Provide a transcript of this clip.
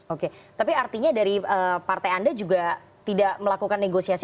oke tapi artinya dari partai anda juga tidak melakukan negosiasi